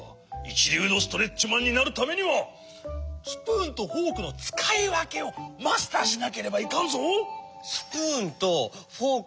いちりゅうのストレッチマンになるためにはスプーンとフォークのつかいわけをマスターしなければいかんぞ。